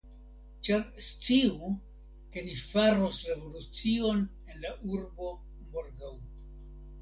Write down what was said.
Ĉar sciu, ke ni faros revolucion en la urbo morgaŭ.